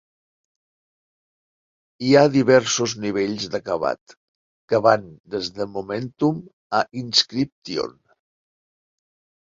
Hi ha diversos nivells d'acabat, que van des de "Momentum" a "Inscription".